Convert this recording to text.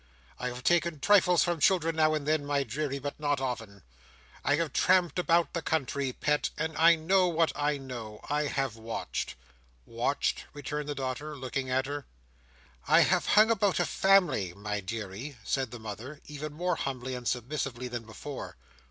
I have taken trifles from children now and then, my deary, but not often. I have tramped about the country, pet, and I know what I know. I have watched." "Watched?" returned the daughter, looking at her. "I have hung about a family, my deary," said the mother, even more humbly and submissively than before.